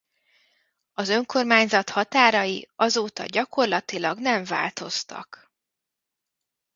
Az önkormányzat határai azóta gyakorlatilag nem változtak.